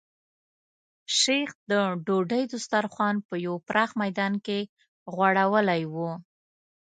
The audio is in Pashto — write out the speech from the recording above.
شیخ د ډوډۍ دسترخوان په یو پراخ میدان کې غوړولی و.